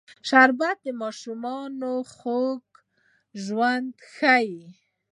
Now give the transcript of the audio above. شربت د ماشومانو خوږ ژوند ښيي